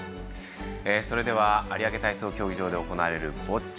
それでは有明体操競技場で行われるボッチャ。